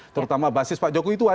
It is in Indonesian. terutama basis pak jokowi itu